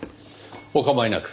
お構いなく。